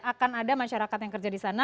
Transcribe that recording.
akan ada masyarakat yang kerja di sana